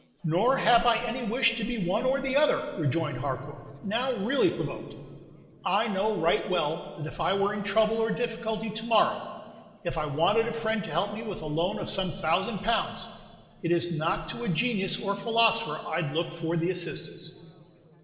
"Nor have I any wish to be one or the other," rejoined Harcourt, now really provoked. "I know right well that if I were in trouble or difficulty to morrow, if I wanted a friend to help me with a loan of some thousand pounds, it is not to a genius or a philosopher I 'd look for the assistance."